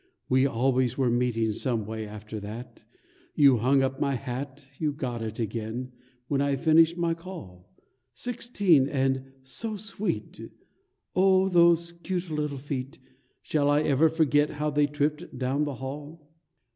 We always were meeting some way after that. You hung up my hat, And got it again, when I finished my call. Sixteen, and so sweet! Oh, those cute little feet! Shall I ever forget how they tripped down the hall?